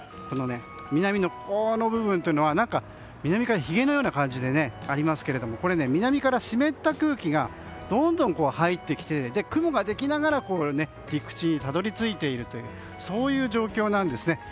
南のこの部分ひげのような感じでありますがこれ、南から湿った空気がどんどん入ってきて雲ができながら陸地にたどり着いているというそういう状況なんですね。